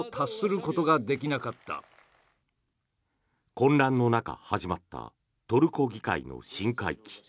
混乱の中、始まったトルコ議会の新会期。